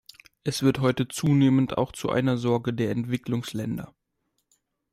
Es wird heute zunehmend auch zu einer Sorge der Entwicklungsländer.